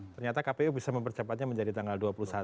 ternyata kpu bisa mempercepatnya menjadi tanggal dua puluh satu